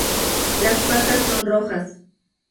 Las patas son rojas.